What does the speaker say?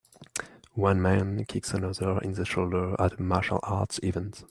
One man kicks another in the shoulder at a martial arts event